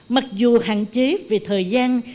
mặc dù hạn chế về thời gian